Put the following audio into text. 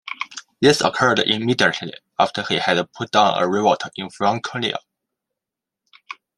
This occurred immediately after he had put down a revolt in Franconia.